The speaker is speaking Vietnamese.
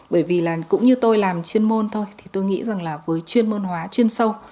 bởi vì là cũng như tôi làm chuyên môn thôi thì tôi nghĩ rằng là với chuyên môn hóa chuyên sâu